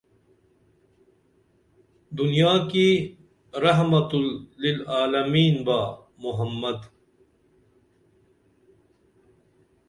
دنیا کی رحمت اللعالمین با محمد